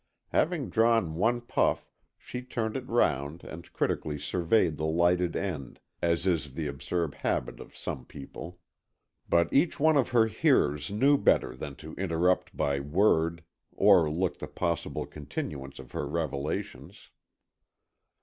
Having drawn one puff, she turned it round and critically surveyed the lighted end, as is the absurd habit of some people. But each one of her hearers knew better than to interrupt by word or look the possible continuance of her revelations.